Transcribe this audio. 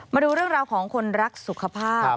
มาดูเรื่องราวของคนรักสุขภาพ